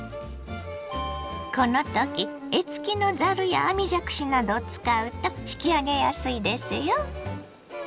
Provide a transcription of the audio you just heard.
このとき柄付きのざるや網じゃくしなどを使うと引き上げやすいですよ。